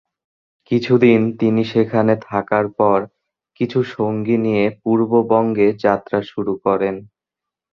কিছুদিন তিনি সেখানে থাকার পর কিছু সঙ্গী নিয়ে পূর্ব বঙ্গে যাত্রা শুরু করেন।